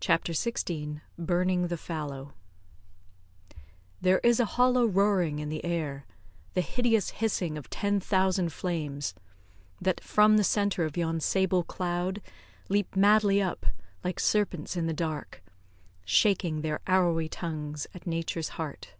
CHAPTER XVI BURNING THE FALLOW There is a hollow roaring in the air The hideous hissing of ten thousand flames, That from the centre of yon sable cloud Leap madly up, like serpents in the dark, Shaking their arrowy tongues at Nature's heart.